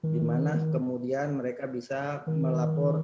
dimana kemudian mereka bisa melapor ke